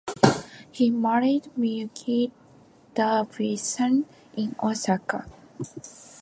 He married Miyuki Davisson in Osaka.